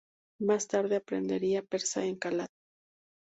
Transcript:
Más tarde aprendería persa en Kalat.